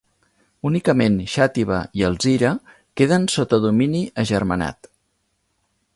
Únicament Xàtiva i Alzira queden sota domini agermanat.